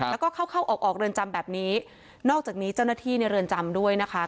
แล้วก็เข้าเข้าออกออกเรือนจำแบบนี้นอกจากนี้เจ้าหน้าที่ในเรือนจำด้วยนะคะ